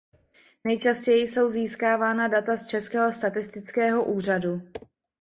Nejčastěji jsou získávána data z Českého statistického úřadu.